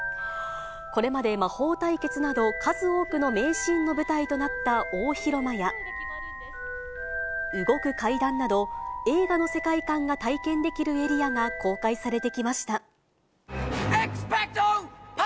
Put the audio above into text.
これまで魔法対決など数多くの名シーンの舞台となった大広間や、動く階段など、映画の世界観が体験できるエリアが公開されてきました。